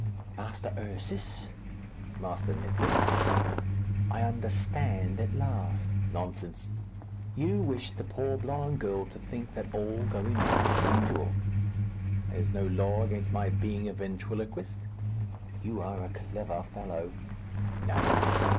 "Master Ursus?" "Master Nicless?" "I understand at last." "Nonsense!" "You wished the poor blind girl to think that all going on as usual." "There is no law against my being a ventriloquist." "You are a clever fellow." "No."